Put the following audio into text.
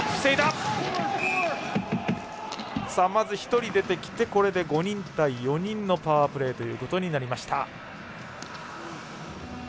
まず、１人出てきてこれで５人対４人のパワープレーということになりました。